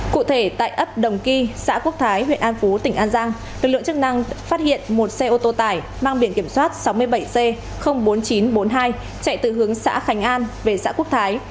cụ thể tại ấp đồng ky xã quốc thái huyện an phú tỉnh an giang lực lượng chức năng phát hiện một xe ô tô tải mang biển kiểm soát sáu mươi bảy c bốn nghìn chín trăm bốn mươi hai chạy từ hướng xã khánh an về xã quốc thái